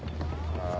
ああ。